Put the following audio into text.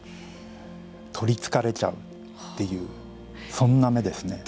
取りつかれちゃうというそんな目ですね。